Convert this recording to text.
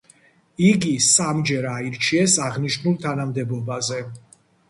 იგი სამჯერ აირჩიეს აღნიშნულ თანამდებობაზე.